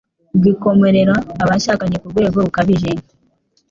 gikomerera abashakanye. Kurwego rukabije